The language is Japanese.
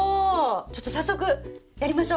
ちょっと早速やりましょう！